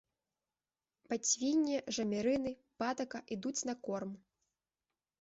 Бацвінне, жамерыны, патака ідуць на корм.